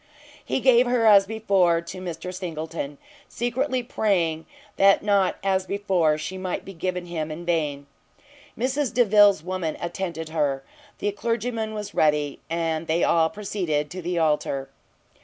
He gave her, as before, to Mr Singleton, secretly praying that not, as before, she might be given him in vain: Mrs Delvile's woman attended her; the clergyman was ready, and they all proceeded to the altar.